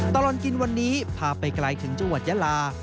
ตลอดกินวันนี้พาไปไกลถึงจังหวัดยาลา